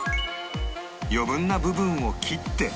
余分な部分を切って